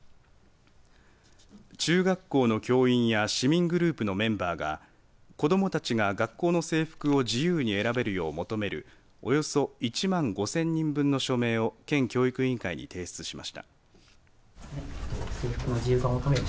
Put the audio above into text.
中学校の教員や市民グループのメンバーが子どもたちが学校の制服を自由に選べるよう求めるおよそ１万５０００人分の署名を県教育委員会に提出しました。